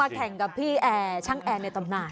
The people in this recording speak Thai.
แข่งกับพี่แอร์ช่างแอร์ในตำนาน